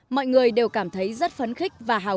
mọi người đều cảm thấy rất phấn khích và hào